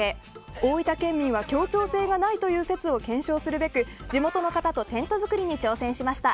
大分県民は協調性がないという説を検証するべく地元の方とテント作りに挑戦しました。